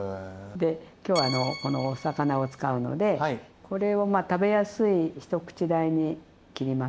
で今日このお魚を使うのでこれを食べやすい一口大に切りますね。